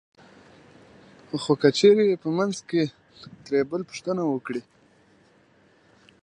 خو که چېرې په منځ کې ترې بل پوښتنه وکړي